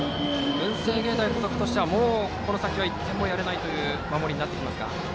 文星芸大付属としてはもう、この先は１点もやれないという守りになってきますか？